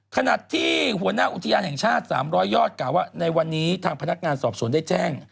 ขณะที่หัวหน้าอุทยานแห่งชาติ๓๐๐ยอดกล่าวว่าในวันนี้ทางพนักงานสอบสวนได้แจ้ง